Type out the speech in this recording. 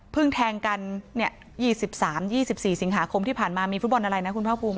แทงกัน๒๓๒๔สิงหาคมที่ผ่านมามีฟุตบอลอะไรนะคุณภาคภูมิ